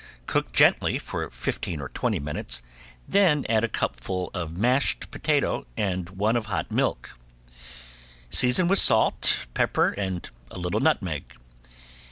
Cook gently for fifteen or twenty minutes, then add a cupful of mashed potato and one of hot milk. Season with salt, pepper and a little nutmeg.